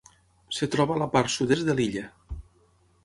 Es troba a la part sud-est de l'illa.